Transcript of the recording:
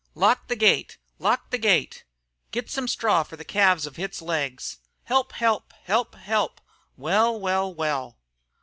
"Lock the gate! Lock the gate!" "Get some straw for the calves of its legs!" "Help! Help! Help! Help!" "Well! Well!